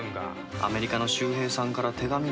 アメリカの秀平さんから手紙も来んし。